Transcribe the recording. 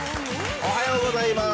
おはようございます。